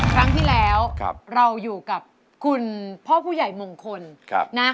ครั้งที่แล้วเราอยู่กับคุณพ่อผู้ใหญ่มงคลนะ